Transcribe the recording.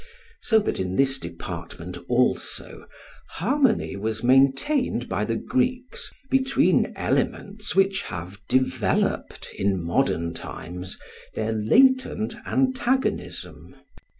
So that in this department also harmony was maintained by the Greeks between elements which have developed in modern times their latent antagonism.